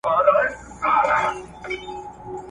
نازولې د بادار یم معتبره `